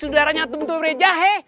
darahnya atuh untuk mereja